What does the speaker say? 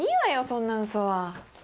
そんな嘘は。